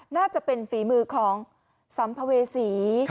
น่าจะเป็นฝีมือของสัมภเวษี